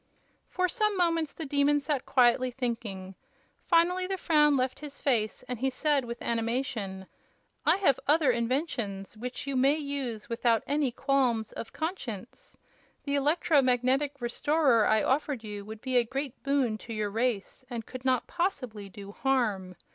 For some moments the Demon sat quietly thinking. Finally the frown left his face and he said, with animation: "I have other inventions, which you may use without any such qualms of conscience. The Electro Magnetic Restorer I offered you would be a great boon to your race, and could not possibly do harm.